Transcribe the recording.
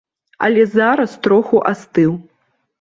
Але зараз троху астыў.